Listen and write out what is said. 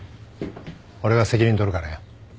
俺が責任取るからよ。